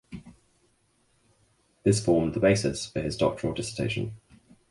This formed the basis for his doctoral dissertation.